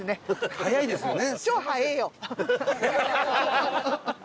早いですよね。